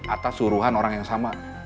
atas suruhan orang yang sama